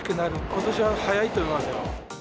ことしは早いと思いますよ。